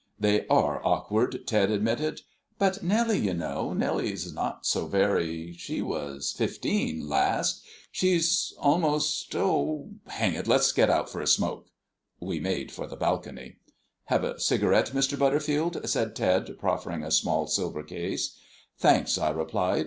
"They are awkward," Ted admitted. "But Nellie, you know Nellie's not so very she was fifteen last she's almost oh, hang it, let's go out for a smoke." We made for the balcony. "Have a cigarette, Mr. Butterfield?" said Ted, proffering a small silver case. "Thanks," I replied.